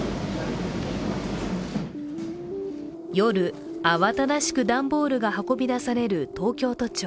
夜、慌ただしくダンボールが運び出される東京都庁